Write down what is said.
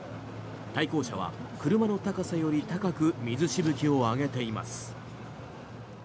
対向車は車の高さより高く水しぶきを上げています。